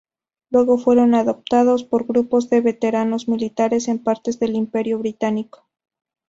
Luego fueron adoptados por grupos de veteranos militares en partes del Imperio Británico.